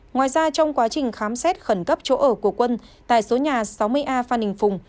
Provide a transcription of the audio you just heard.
ngoài ra trong quá trình khám xét khẩn cấp chỗ ở của quân tại số nhà sáu mươi a phan đình phùng